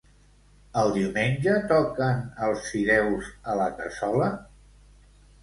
El diumenge toquen els fideus a la cassola?